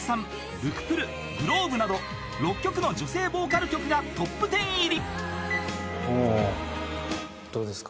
ＬｅＣｏｕｐｌｅｇｌｏｂｅなど６曲の女性ボーカル曲がトップ１０入り］